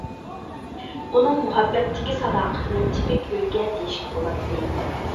ئۇنىڭ مۇھەببەتتىكى ساداقىتىنى تىپىك ئۈلگە دېيىشكە بولاتتى.